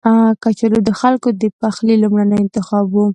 کچالو د خلکو د پخلي لومړنی انتخاب وي